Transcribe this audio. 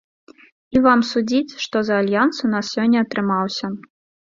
І вам судзіць, што за альянс у нас сёння атрымаўся.